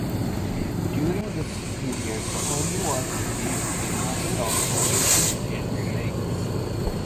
During this period, the army was engaged in mopping up operations and sieges.